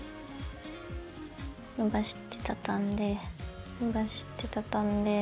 伸ばして畳んで伸ばして畳んで。